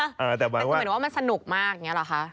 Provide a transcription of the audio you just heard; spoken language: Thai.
แต่ก็หมายถึงว่ามันสนุกมากอย่างนี้หรอคะ